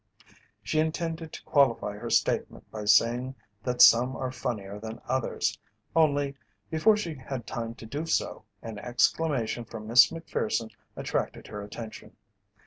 She intended to qualify her statement by saying that some are funnier than others, only, before she had time to do so, an exclamation from Miss Macpherson attracted her attention.